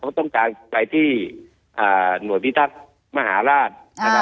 เขาต้องการไปที่หน่วยพิทักษ์มหาราช